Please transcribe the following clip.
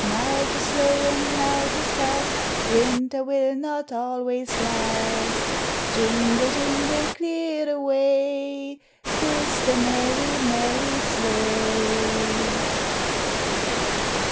Now 't is slow, and now 't is fast ; Winter will not always last. Jingle, jingle, clear the way ! T is the merry, merry sleigh.